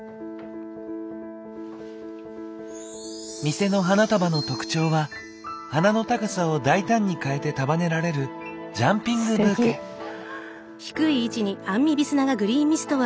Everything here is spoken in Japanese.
店の花束の特徴は花の高さを大胆に変えて束ねられるステキ。